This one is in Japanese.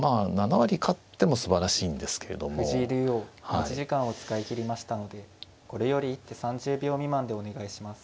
持ち時間を使い切りましたのでこれより一手３０秒未満でお願いします。